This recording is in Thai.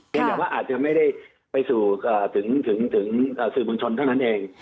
แต่ว่าอาจจะไม่ได้ไปสู่ถึงสื่อมวลชนเท่านั้นเอง